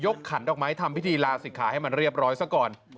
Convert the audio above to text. ขันดอกไม้ทำพิธีลาศิกขาให้มันเรียบร้อยซะก่อน